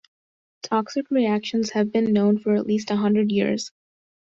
Toxic reactions have been known for at least a hundred years.